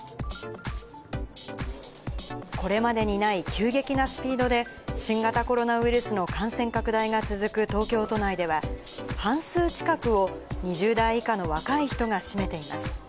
これまでにない急激なスピードで、新型コロナウイルスの感染拡大が続く東京都内では、半数近くを２０代以下の若い人が占めています。